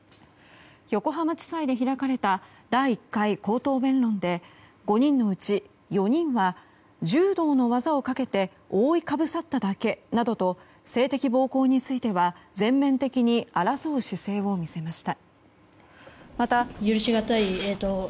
横浜地裁で開かれた第１回口頭弁論で５人のうち４人は柔道の技をかけて覆いかぶさっただけなどと性的暴行については全面的に争う姿勢を見せました。